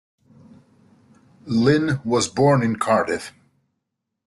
Lyn was born in Cardiff.